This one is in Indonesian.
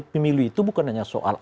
pemilu itu bukan hanya soal